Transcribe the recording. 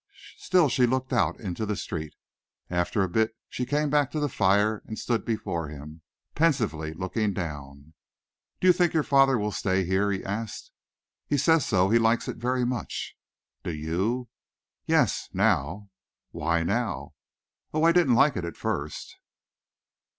Still she looked out into the street. After a bit she came back to the fire and stood before him, pensively looking down. "Do you think your father will stay here?" he asked. "He says so. He likes it very much." "Do you?" "Yes now." "Why now?" "Oh, I didn't like it at first."